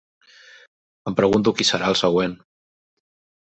Em pregunto qui serà el següent.